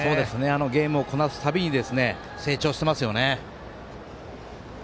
ゲームをこなすたびに成長してますよね。